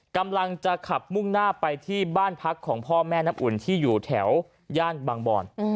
กำลังจะขับมุ่งหน้าไปที่บ้านพักของพ่อแม่น้ำอุ่นที่อยู่แถวย่านบางบอน